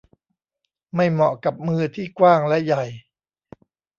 ไม่เหมาะกับมือที่กว้างและใหญ่